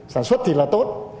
sản xuất thì là tốt